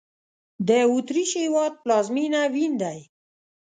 د اوترېش هېواد پلازمېنه وین دی